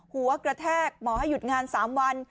หัวกระแทกหมอให้หยุดงาน๓วัน